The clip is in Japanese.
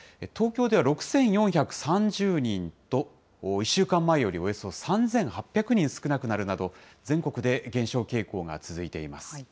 東京では６４３０人と、１週間前よりおよそ３８００人少なくなるなど、全国で減少傾向が続いています。